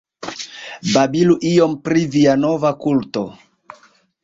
Babilu iom pri via nova kulto.